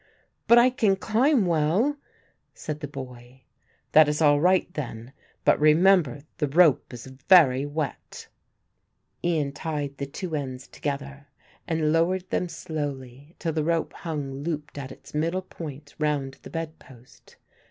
"But I can climb well," said the boy. "That is all right then, but remember the rope is very wet." Ian tied the two ends together and lowered them slowly, till the rope hung looped at its middle point round the bed post.